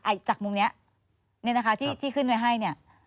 อ่ะจากมุมนี้เนี่ยนะคะที่ขึ้นไว้ให้เนี่ย